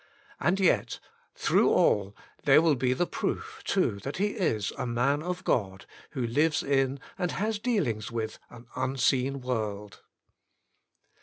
And yet, through all, there will be the proof, too, that he is a man of God, who lives in, and has dealings with, an unseen world.